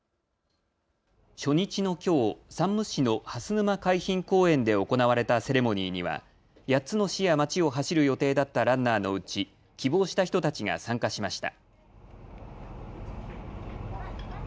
初日のきょう、山武市の蓮沼海浜公園で行われたセレモニーには８つの市や町を走る予定だったランナーのうち希望した人たちが参加しました。